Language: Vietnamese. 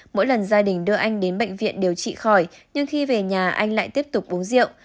mỗi lần gia đình đưa anh đến bệnh viện điều trị khỏi nhưng khi về nhà anh lại tiếp tục uống rượu